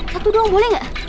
satu dong boleh gak